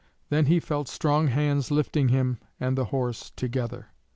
Then he felt strong hands lifting him and the horse together.